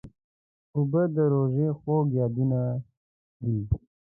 اوبه د روژې خوږ یادونه ده.